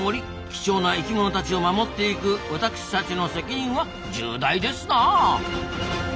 貴重な生きものたちを守っていく私たちの責任は重大ですな。